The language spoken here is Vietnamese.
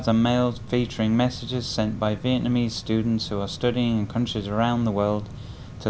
xin mời quý vị khán giả cùng theo dõi những thông tin đáng chú ý ngay sau đây